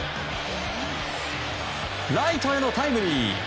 ライトへのタイムリー！